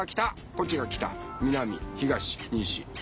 こっちが北南東西。